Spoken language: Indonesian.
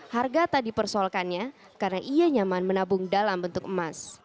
harga tak dipersoalkannya karena ia nyaman menabung dalam bentuk emas